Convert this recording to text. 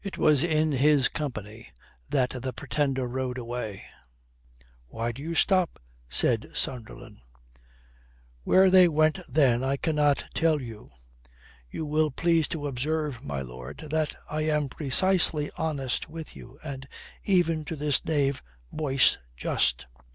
It was in his company that the Pretender rode away." "Why do you stop?" said Sunderland. "Where they went then I cannot tell you. You will please to observe, my lord, that I am precisely honest with you and even to this knave Boyce just.